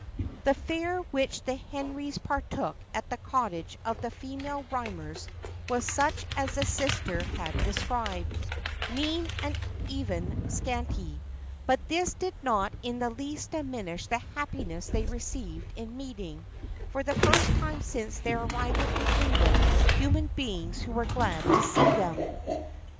The fare which the Henrys partook at the cottage of the female Rymers was such as the sister had described mean, and even scanty; but this did not in the least diminish the happiness they received in meeting, for the first time since their arrival in England, human beings who were glad to see them.